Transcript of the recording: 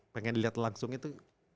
pengen dilihat langsung itu